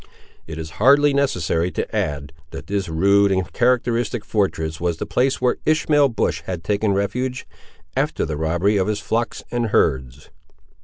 It is hardly necessary to add, that this rude and characteristic fortress was the place where Ishmael Bush had taken refuge, after the robbery of his flocks and herds.